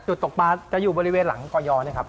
ตกปลาจะอยู่บริเวณหลังก่อยนะครับ